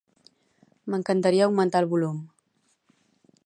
M'encantaria augmentar el volum.